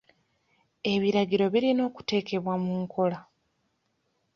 Ebiragiro birina okuteekebwa mu nkola.